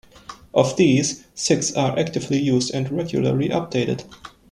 Of these, six are actively used and regularly updated.